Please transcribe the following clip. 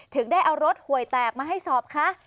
ถึงได้เอารถหวยแตกมาให้สอบคะ